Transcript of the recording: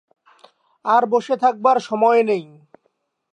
আর বসে থাকবার সময় নেই।